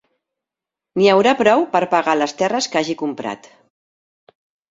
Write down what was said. N'hi haurà prou per a pagar les terres que hagi comprat…